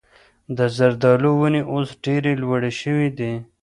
د زردالو ونې اوس ډېرې لوړې شوي دي.